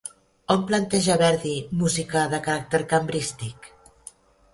On planteja Verdi música de caràcter cambrístic?